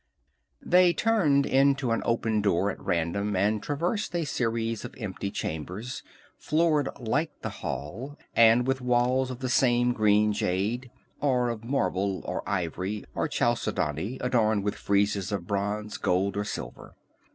They turned into an open door at random, and traversed a series of empty chambers, floored like the hall, and with walls of the same green jade, or of marble or ivory or chalcedony, adorned with friezes of bronze, gold or silver.